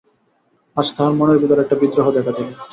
আজ তাহার মনের ভিতরে একটা বিদ্রোহ দেখা দিল।